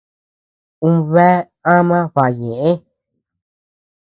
Un bea ama baʼa ñeʼë.